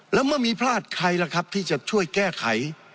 แล้วเมื่อมีพลาดใครล่ะครับที่จะช่วยแก้ไข